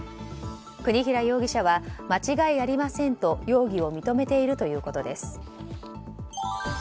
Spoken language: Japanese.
国平容疑者は間違いありませんと容疑を認めているということです。